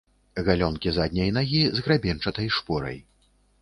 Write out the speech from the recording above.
Галёнкі задняй нагі з грабеньчатай шпорай.